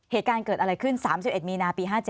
เหตุการณ์เกิดอะไรขึ้น๓๑มีนาปี๕๗